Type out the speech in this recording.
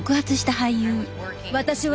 私は＃